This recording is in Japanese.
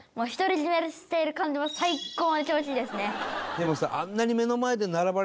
でもさ。